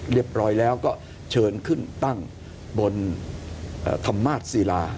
เรียบร้อยแล้วก็เชิญขึ้นตั้งบนธรรมาศศิลา